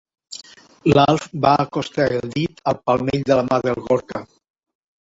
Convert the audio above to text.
L'Alf va acostar el dit al palmell de la mà del Gorka.